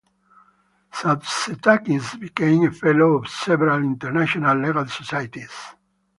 Sartzetakis became a fellow of several international legal societies.